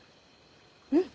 うん？